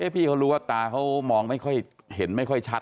พี่เขารู้ว่าตาเขามองไม่ค่อยเห็นไม่ค่อยชัด